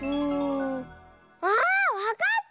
ああっわかった！